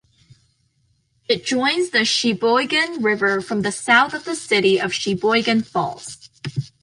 It joins the Sheboygan River from the south in the city of Sheboygan Falls.